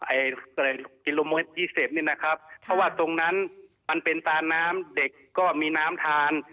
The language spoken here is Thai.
กิโลเมตรยี่สิบนี่นะครับเพราะว่าตรงนั้นมันเป็นตานน้ำเด็กก็มีน้ำทาน